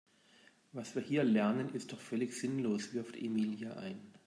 Was wir hier lernen ist doch völlig sinnlos, wirft Emilia ein.